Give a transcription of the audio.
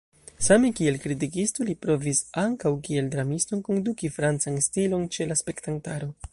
Same kiel kritikisto li provis ankaŭ kiel dramisto enkonduki francan stilon ĉe la spektantaro.